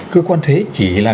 cơ quan thuế chỉ là